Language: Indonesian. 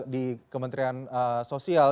di kementerian sosial